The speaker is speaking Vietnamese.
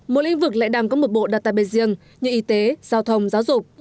một lĩnh vực lại đàm có một bộ database riêng như y tế giao thông giáo dục